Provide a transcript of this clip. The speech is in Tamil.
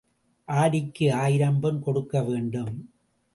அடிக்கு ஆயிரம் பொன் கொடுக்க வேண்டும்.